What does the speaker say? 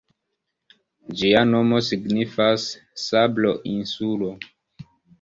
Ĝia nomo signifas "Sablo-insulo".